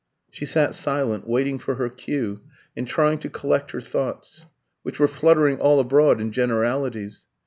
She sat silent, waiting for her cue, and trying to collect her thoughts, which were fluttering all abroad in generalities.